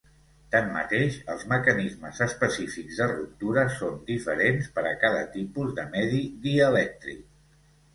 Tanmateix, els mecanismes específics de ruptura són diferents per a cada tipus de medi dielèctric.